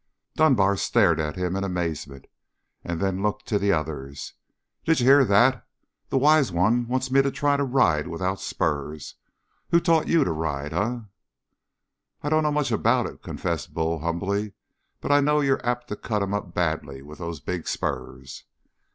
Dunbar stared at him in amazement, and then looked to the others. "Did you hear that? This wise one wants me to try to ride without spurs. Who taught you to ride, eh?" "I don't know much about it," confessed Bull humbly, "but I know you're apt to cut him up badly with those big spurs."